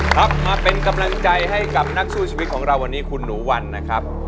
ครับมาเป็นกำลังใจให้กับนักสู้ชีวิตของเราวันนี้คุณหนูวันนะครับ